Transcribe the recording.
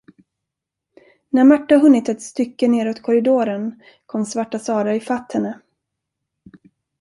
När Märta hunnit ett stycke neråt korridoren kom Svarta Sara ifatt henne.